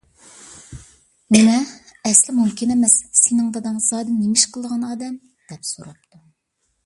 — نېمە؟ ئەسلا مۇمكىن ئەمەس، سېنىڭ داداڭ زادى نېمە ئىش قىلىدىغان ئادەم؟ — دەپ سوراپتۇ.